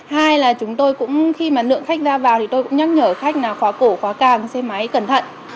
hai là chúng tôi cũng khi mà lượng khách ra vào thì tôi cũng nhắc nhở khách nào khóa cổ khóa càng xe máy cẩn thận